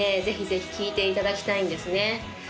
ぜひぜひ聴いていただきたいんですね